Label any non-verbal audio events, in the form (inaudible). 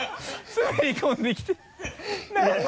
滑り込んできて (laughs)